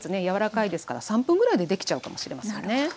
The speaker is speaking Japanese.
柔らかいですから３分ぐらいでできちゃうかもしれませんね。